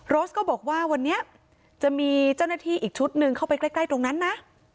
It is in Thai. สก็บอกว่าวันนี้จะมีเจ้าหน้าที่อีกชุดหนึ่งเข้าไปใกล้ตรงนั้นนะ